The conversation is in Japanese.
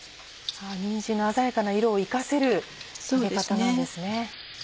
にんじんの鮮やかな色を生かせる揚げ方なんですね。